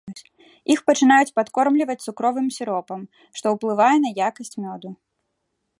Іх пачынаюць падкормліваць цукровым сіропам, што ўплывае на якасць мёду.